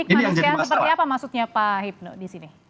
ini kemanusiaan seperti apa maksudnya pak hipnu di sini